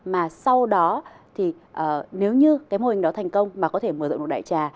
mà sau đó thì nếu như cái mô hình đó thành công mà có thể mở rộng một đại trà